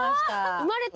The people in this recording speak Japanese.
生まれた？